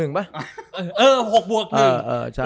เออ๖บวก๑